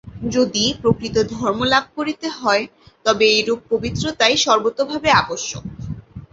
যদি প্রকৃত ধর্মলাভ করিতে হয়, তবে এইরূপ পবিত্রতাই সর্বতোভাবে আবশ্যক।